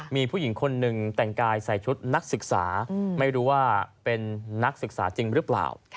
มีผู้หญิงคนหนึ่งแต่งกายใส่ชุดนักศึกษาไม่รู้ว่าเป็นนักศึกษาจริงหรือเปล่า